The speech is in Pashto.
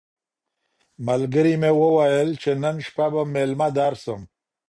ملګري مي وویل چي نن شپه به مېلمه درسم.